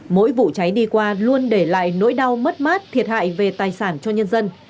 mỗi vụ cháy đi qua luôn để lại nỗi đau mất mát thiệt hại về tài sản cho nhân dân